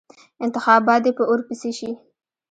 انتخابات دې په اور پسې شي.